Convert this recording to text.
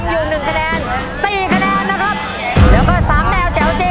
รอบที่๑